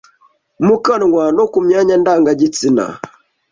mu kanwa no ku myanya ndangagitsina